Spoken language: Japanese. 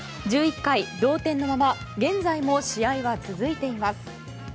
１１回同点のまま現在も試合は続いています。